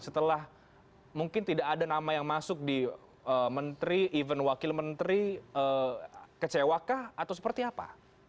setelah mungkin tidak ada nama yang masuk di menteri even wakil menteri kecewakah atau seperti apa